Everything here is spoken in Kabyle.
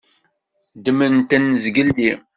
Ddmen-tent zgelli.